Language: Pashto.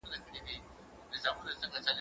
پاکوالی د مور له خوا کيږي!؟